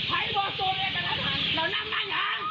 สวัสดีครับทุกคน